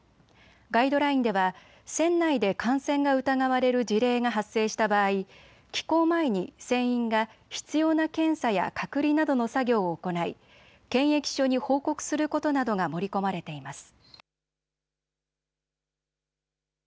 ガイドラインでは船内で感染が疑われる事例が発生した場合、寄港前に船員が必要な検査や隔離などの作業を行い検疫所に報告することなどが盛り込まれています。